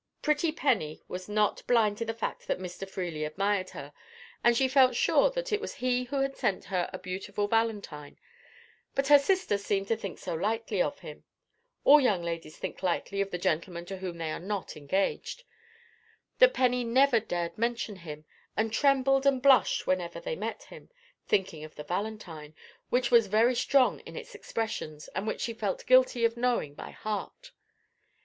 Pretty Penny was not blind to the fact that Mr. Freely admired her, and she felt sure that it was he who had sent her a beautiful valentine; but her sister seemed to think so lightly of him (all young ladies think lightly of the gentlemen to whom they are not engaged), that Penny never dared mention him, and trembled and blushed whenever they met him, thinking of the valentine, which was very strong in its expressions, and which she felt guilty of knowing by heart.